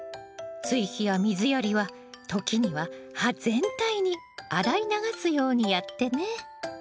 追肥や水やりは時には葉全体に洗い流すようにやってね。